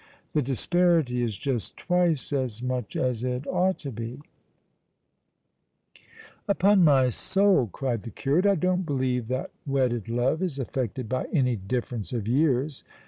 Tho disparity is just twice as much as it ought to be," 140 All along the River. " Upon my soul," cried the curate, " I don't believe that wedded love is affected by any difference of years.